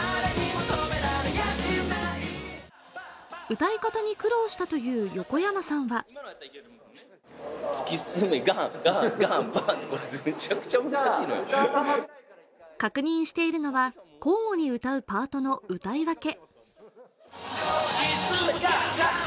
歌い方に苦労したという横山さんは確認しているのは、交互に歌うパートの歌い分け。